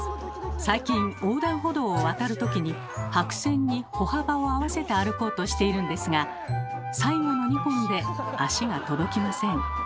最近横断歩道を渡るときに白線に歩幅を合わせて歩こうとしているんですが最後の２本で足が届きません。